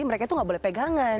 mereka itu nggak boleh pegangan